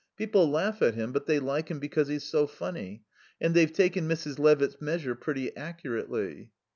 People laugh at him, but they like him because he's so funny. And they've taken Mrs. Levitt's measure pretty accurately."